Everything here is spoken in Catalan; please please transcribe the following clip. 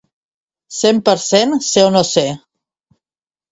Cent per cent Ser o no ser.